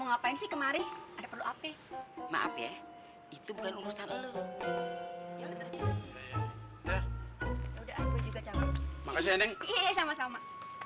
apaan sih kemarin ada perlu apa maaf ya itu bukan urusan lu ya udah udah makasih sama sama